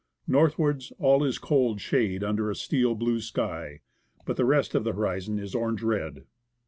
Northwards all is cold shade under a steel blue sky, but the rest of the horizon is orange red.